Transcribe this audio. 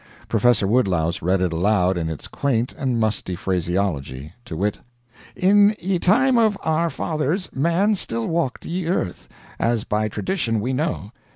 Professor Woodlouse read it aloud in its quaint and musty phraseology, to wit: "'In ye time of our fathers Man still walked ye earth, as by tradition we know.